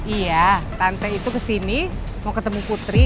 iya tante itu kesini mau ketemu putri